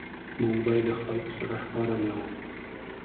موږ باید د خلګو سره ښه رویه وکړو